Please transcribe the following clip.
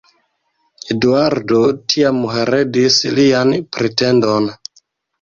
Eduardo tiam heredis lian pretendon.